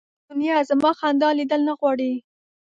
دنیا زما خندا لیدل نه غواړي